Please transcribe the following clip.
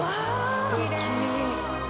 すてき！